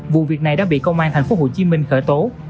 vụ việc này đã bị công an tp hcm khởi tố